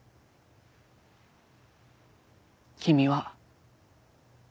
君は。